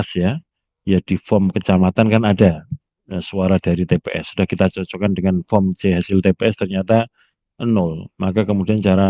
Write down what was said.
kaafikan korupsi di menteri